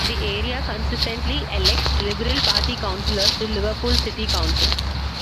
The area consistently elects Liberal Party Councillors to Liverpool City Council.